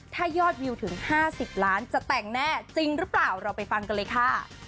ถ้ายอดวิวถึง๕๐ล้านจะแต่งแน่จริงหรือเปล่าเราไปฟังกันเลยค่ะ